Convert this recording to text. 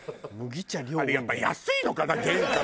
あれやっぱ安いのかな原価が。